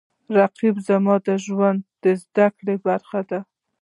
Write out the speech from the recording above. رقیب زما د ژوند د زده کړو برخه ده